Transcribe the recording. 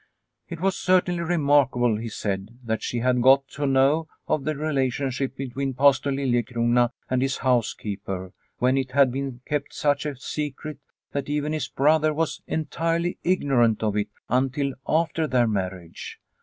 The Accusation 225 It was certainly remarkable, he said, that she had got to know of the relationship between Pastor Liliecrona and his housekeeper, when it had been kept such a secret that even his brother was entirely ignorant of it until after their marriage.